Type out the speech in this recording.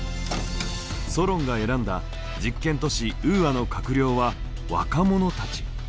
ソロンが選んだ実験都市ウーアの閣僚は若者たち。